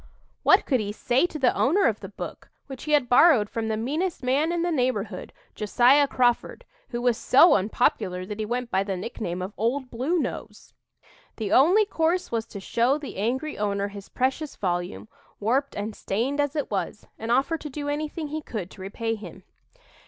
What could he say to the owner of the book, which he had borrowed from the meanest man in the neighborhood, Josiah Crawford, who was so unpopular that he went by the nickname of "Old Blue Nose"? The only course was to show the angry owner his precious volume, warped and stained as it was, and offer to do anything he could to repay him.